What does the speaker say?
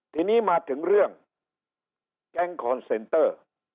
ทีนี้มาถึงเรื่องแก๊งคอนเซนเตอร์